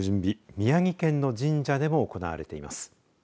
宮城県の神社でも行われています。